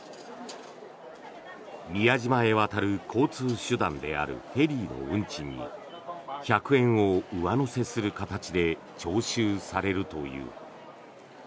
宮島へ渡る交通手段であるフェリーの運賃に１００円を上乗せする形で徴収されるという。